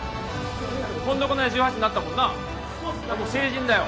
この間１８になったもんなもう成人だよ・